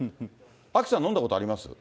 アキさん、飲んだことあります？